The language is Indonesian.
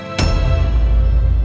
aku gak mau cerai renu